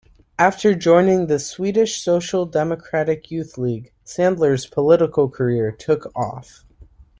After joining the Swedish Social Democratic Youth League, Sandler's political career took off.